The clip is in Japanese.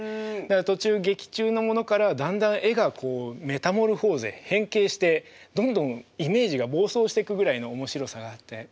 途中劇中のものからだんだん絵がメタモルフォーゼ変形してどんどんイメージが暴走していくぐらいの面白さがあって。